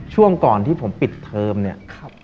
ช่วงก่อนที่ผมปิดเทอมเนี่ย